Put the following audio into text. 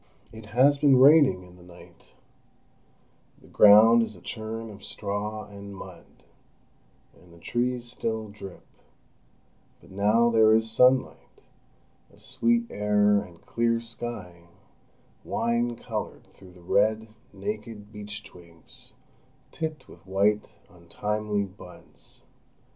It has been raining in the night; the ground is a churn of straw and mud, and the trees still drip; but now there is sunlight, a sweet air, and clear sky, wine coloured through the red, naked, beechtwigs tipped with white untimely buds.